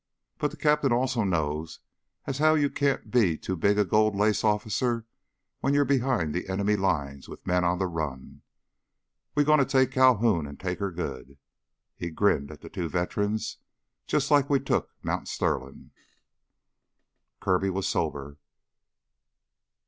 But the cap'n also knows as how you can't be too big a gold lace officer when you're behind the enemy lines with men on the run. We're gonna take Calhoun and take her good!" He grinned at the two veterans. "Jus' like we took Mount Sterlin'." Kirby was sober.